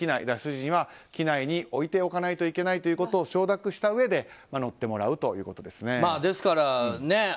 脱出時には機内に置いておかないといけないことを承諾したうえで乗ってもらうということですね。